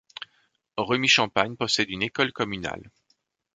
Remichampagne possède une école communale.